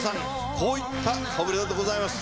こういった顔ぶれでございます。